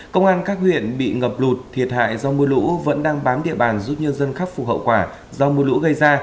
công an các huyện bị ngập lụt thiệt hại do mưa lũ vẫn đang bám địa bàn giúp nhân dân khắc phục hậu quả do mưa lũ gây ra